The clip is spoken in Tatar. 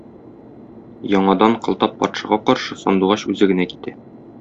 Яңадан Кылтап патшага каршы Сандугач үзе генә китә.